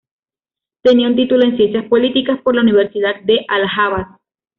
Tenía un título en Ciencias Políticas por la Universidad de Allahabad.